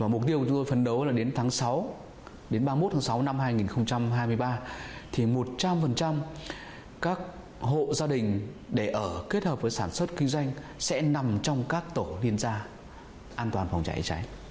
mục tiêu của chúng tôi phấn đấu đến tháng sáu đến ba mươi một tháng sáu năm hai nghìn hai mươi ba thì một trăm linh các hộ gia đình để ở kết hợp với sản xuất kinh doanh sẽ nằm trong các tổ liên gia